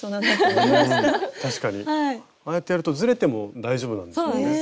ああやってやるとずれても大丈夫なんですよね。